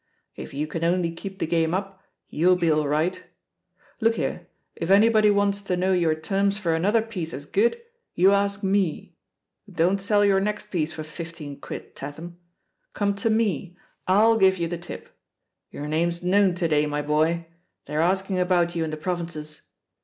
If you can only keep the game up, yoUf'U be aU right. Look here, if anybody wants to know your terms for another piece as good, you ask met Don't sell your next piece for fifteen quid, Tatham. Come to me, FJl give you the tip. Your name's known to day, my boy— ^ they're asking about you in the provinces."